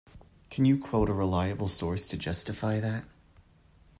Can you quote a reliable source to justify that?